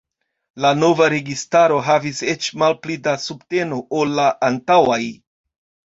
La nova registaro havis eĉ malpli da subteno ol la antaŭaj.